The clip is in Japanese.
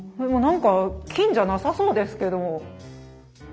何か金じゃなさそうですけども。